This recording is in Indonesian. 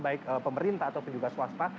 baik pemerintah ataupun juga swasta